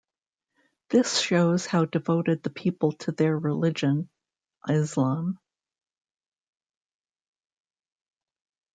This shows how devoted the people to their religion, Islam.